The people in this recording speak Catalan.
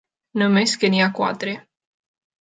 Només que n'hi ha quatre.